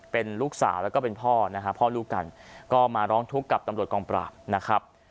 เป็นลูกสาวและผ่อลูกกันก็มาร้องทุกข์กับตำรวจกองปราบนะครับ